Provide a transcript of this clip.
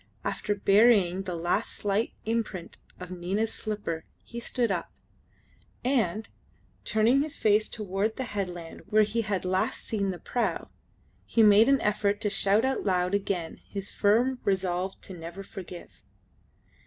After burying the last slight imprint of Nina's slipper he stood up, and, turning his face towards the headland where he had last seen the prau, he made an effort to shout out loud again his firm resolve to never forgive.